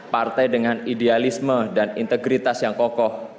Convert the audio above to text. partai dengan idealisme dan integritas yang kokoh